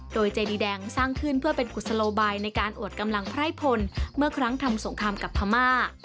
โดยเจดีแดงสร้างขึ้นเพื่อเป็นกุศโลบายในการอวดกำลังไพร่พลเมื่อครั้งทำสงครามกับพม่า